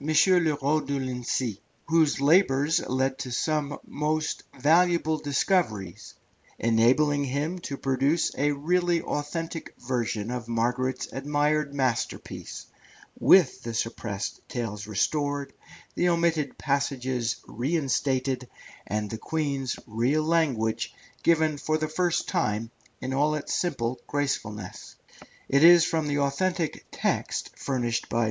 Le Roux de Lincy, whose labours led to some most valuable discoveries, enabling him to produce a really authentic version of Margaret's admired masterpiece, with the suppressed tales restored, the omitted passages reinstated, and the Queen's real language given for the first time in all its simple gracefulness. It is from the authentic text furnished by M.